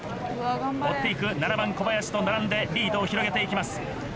追って行く７番小林と並んでリードを広げて行きます。